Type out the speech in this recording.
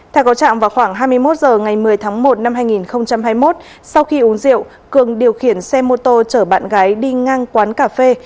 theo có trạng vào khoảng hai mươi một h ngày một mươi tháng một năm hai nghìn hai mươi một sau khi uống rượu cường điều khiển xe mô tô chở bạn gái đi ngang quán cà phê